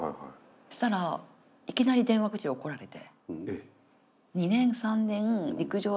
そしたらいきなり電話口で怒られて。